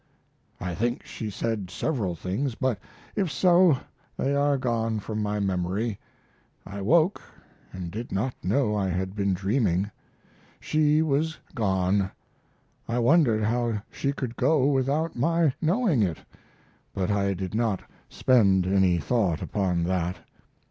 I think she said several things, but if so they are gone from my memory. I woke & did not know I had been dreaming. She was gone. I wondered how she could go without my knowing it, but I did not spend any thought upon that.